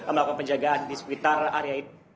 melakukan penjagaan di sekitar area